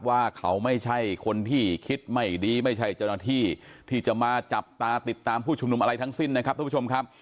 ว่าเขาไม่ใช่คนที่คิดไม่ดีไม่ใช่เจ้าหน้าที่ที่จะมาจับตาติดตามผู้ชุมนุมอะไรทั้งสิ้นนะครับทุกผู้ชมครับ